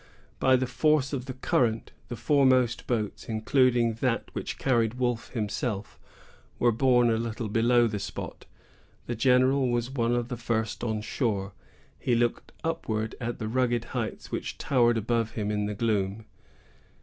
By the force of the current, the foremost boats, including that which carried Wolfe himself, were borne a little below the spot. The general was one of the first on shore. He looked upward at the rugged heights which towered above him in the gloom.